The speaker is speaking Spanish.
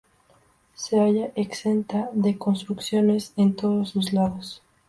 Se halla exenta de construcciones en todos sus lados.